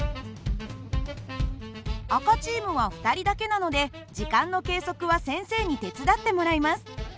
赤チームは２人だけなので時間の計測は先生に手伝ってもらいます。